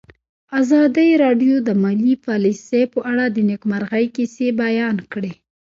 ازادي راډیو د مالي پالیسي په اړه د نېکمرغۍ کیسې بیان کړې.